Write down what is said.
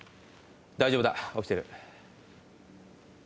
大丈夫だ起きてる。